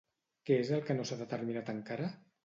Què és el que no s'ha determinat encara?